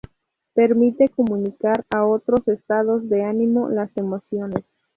Permite comunicar a otros estados de ánimo, las emociones.